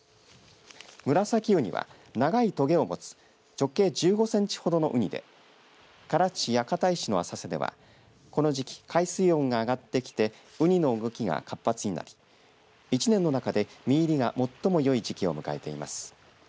ムラサキウニは長いとげを持つ直径１５センチほどのうにで唐津市屋形石の浅瀬ではこの時期、海水温が上がってきてうにの動きが活発になり一年の中で身入りが最もよい時期を迎えています。